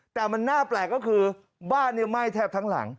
แต่มันน่าแปลกก็คือบ้านไหม้แทบทั้งหลัง